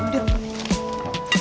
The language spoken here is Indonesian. uh udah makan